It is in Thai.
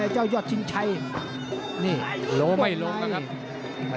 เจ้ายอดชิงชัยนี่โลไม่ลงแล้วครับ